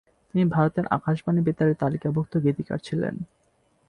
তিনি ভারতের আকাশবাণী বেতারের তালিকাভুক্ত গীতিকার ছিলেন।